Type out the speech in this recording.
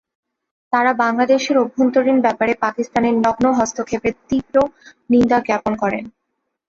তারা বাংলাদেশের অভ্যন্তরীণ ব্যাপারে পাকিস্তানের নগ্ন হস্তক্ষেপের তীব্র নিন্দা জ্ঞাপন করেন।